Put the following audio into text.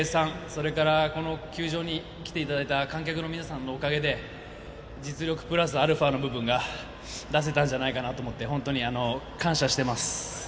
それからこの球場に来ていただいた観客の皆さんのおかげで実力プラスアルファの部分が出せたんじゃないかなと思って本当に感謝しています。